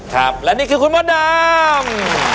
ครับและนี้คือคุณบ่ดดาม